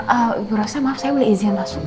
ehm ibu rossa maaf saya boleh izin masuk